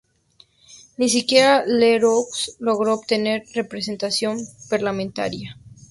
Ni siquiera Lerroux logró obtener representación parlamentaria.